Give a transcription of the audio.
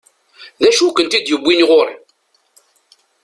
D acu i ken-id-yewwin ɣur-i?